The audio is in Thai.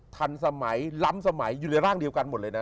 ทันสมัยล้ำสมัยอยู่ในร่างเดียวกันหมดเลยนะ